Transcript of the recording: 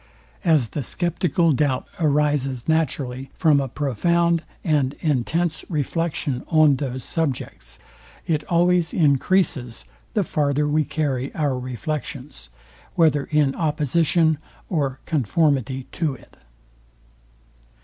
As the sceptical doubt arises naturally from a profound and intense reflection on those subjects, it always encreases, the farther we carry our reflections, whether in opposition or conformity to it.